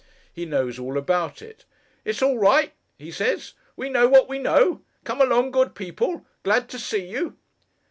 He knows all about it. 'It's all right,' he says. 'We know what we know. Come along, good people. Glad to see you!